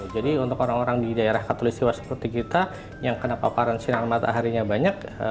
jadi untuk orang orang di daerah katolik setiwa seperti kita yang kena paparan sinar mataharinya banyak